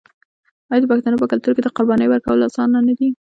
آیا د پښتنو په کلتور کې د قربانۍ ورکول اسانه نه دي؟